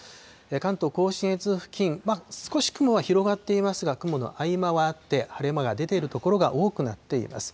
関東甲信越付近、少し雲は広がっていますが、雲の合間はあって、晴れ間は出ている所が多くなっています。